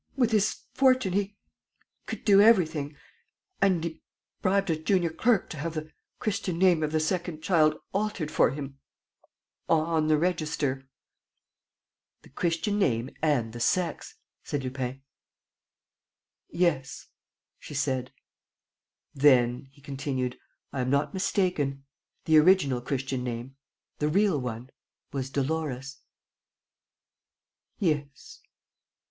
With his fortune, he could do everything; and he bribed a junior clerk to have the Christian name of the second child altered for him on the register." "The Christian name and the sex," said Lupin. "Yes," she said. "Then," he continued, "I am not mistaken: the original Christian name, the real one, was Dolores?" "Yes."